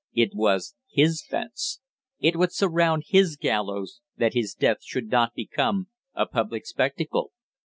It was his fence; it would surround his gallows that his death should not become a public spectacle.